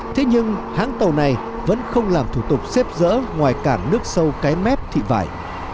thế nhưng hãng tàu này vẫn không làm thủ tục xếp dỡ ngoài cảng nước sâu cái mép thị vải